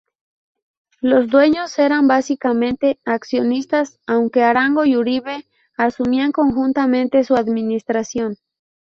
Los dueños eran básicamente accionistas, aunque Arango y Uribe asumían conjuntamente su administración.